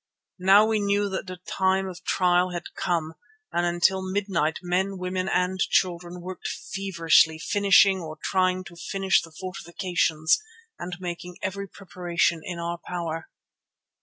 Now we knew that the time of trial had come and until near midnight men, women and children worked feverishly finishing or trying to finish the fortifications and making every preparation in our power.